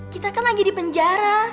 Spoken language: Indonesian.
kita kan lagi di penjara